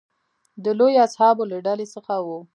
د لویو اصحابو له ډلې څخه و.